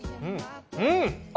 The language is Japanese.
うん！